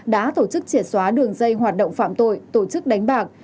đã tổ chức triệt xóa đường dây hoạt động phạm tội tổ chức đánh bạc